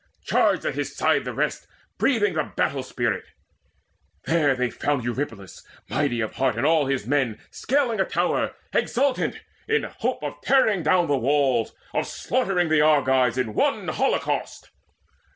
Charged at his side the rest Breathing the battle spirit. There they found Eurypylus mighty of heart and all his men Scaling a tower, exultant in the hope Of tearing down the walls, of slaughtering The Argives in one holocaust.